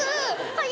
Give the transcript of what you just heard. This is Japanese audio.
はい。